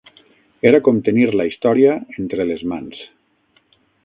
Era com tenir la història entre les mans